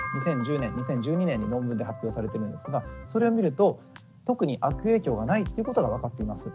これが２０１０年２０１２年に論文で発表されてるんですがそれを見ると特に悪影響がないっていうことが分かっています。